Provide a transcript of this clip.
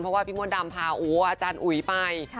เพราะว่าพี่มดดำพาอาจารย์อุ๋ยไป